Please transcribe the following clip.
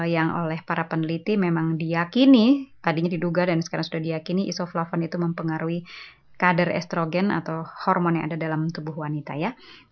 yang oleh para peneliti memang diyakini tadinya diduga dan sekarang sudah diyakini isoflavon itu mempengaruhi kader estrogen atau hormon yang ada dalam tubuh wanita